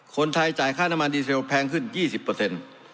คนไทยจ่ายค่าน้ำมันดีเซลแพงขึ้น๒๐